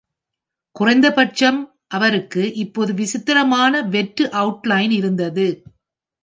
குறைந்த பட்சம் அவருக்கு இப்போது விசித்திரமான, வெற்று அவுட்லைன் இருந்தது.